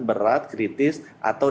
berat kritis atau